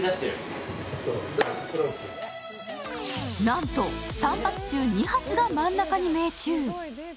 なんと、３発中２発が真ん中に命中。